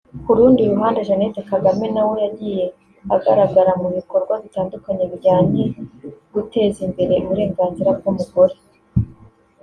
ku rundi ruhande Jeannette Kagame nawe yagiye agaragara mu bikorwa bitandukanye bijyanye guteza imbere uburenganzira bw’umugore